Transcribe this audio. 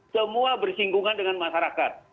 semua bersinggungan dengan masyarakat